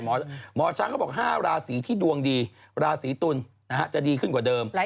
หมอช้างก็บอก๕ราศีที่ดวงดีราศีตุลจะดีขึ้นกว่าเดิม